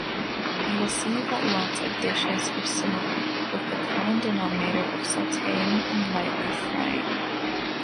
You will see that lots of dishes are similar, with the common denominator of sautéing and lightly frying.